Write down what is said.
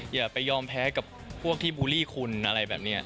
อย่าไปยอมแพ้กับพวกที่บูลลี่คุณอะไรแบบนี้